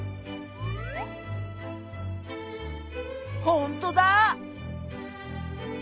ほんとだ！